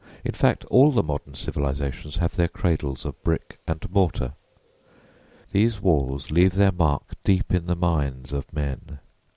In fact, all the modern civilisations have their cradles of brick and mortar. These walls leave their mark deep in the minds of men.